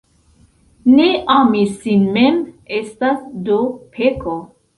Ne ami sin mem, estas do peko.